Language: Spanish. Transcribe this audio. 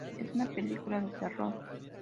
Es una película de terror.